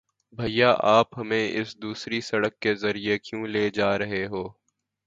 بھیا، آپ ہمیں اس دوسری سڑک کے ذریعے کیوں لے جا رہے ہو؟